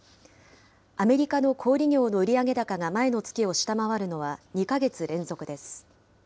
アメリカの小売り業の売上高が前の月を下回るのは２か月連続です。